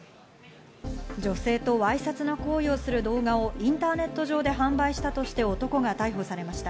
女性とわいせつな行為をする動画をインターネット上で販売したとして男が逮捕されました。